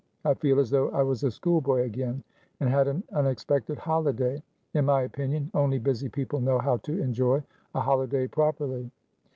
I feel as though I was a schoolboy again, and had an unexpected holiday. In my opinion, only busy people know how to enjoy a holiday properly."